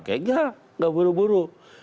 oke enggak enggak buru buru